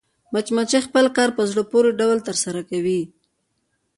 مچمچۍ خپل کار په زړه پورې ډول ترسره کوي